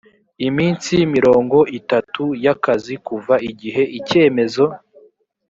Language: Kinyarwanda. iminsi mirongo itatu y akazi kuva igihe icyemezo